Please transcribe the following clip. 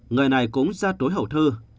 người này cũng ra tối hậu thư